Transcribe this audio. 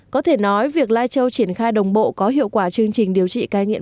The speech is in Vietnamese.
có thể nói việc lai châu triển khai đồng bộ có hiệu quả chương trình điều trị cai nghiện